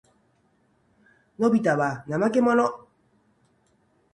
のびたは怠けもの。